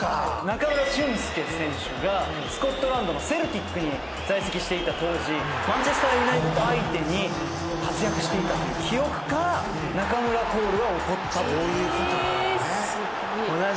中村俊輔選手がスコットランドのセルティックに在籍していた当時マンチェスター・ユナイテッド相手に活躍していたという記憶から中村コールは起こった。